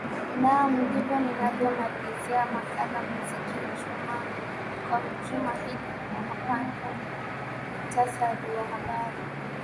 naam ndivyo inavyomalizia makala muziki jumaa kwa juma hili hapa punde muktasari wa habari